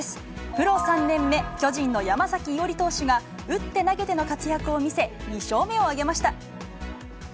プロ３年目、巨人の山崎伊織投手が、打って投げての活躍を見せ、２勝目を挙げました。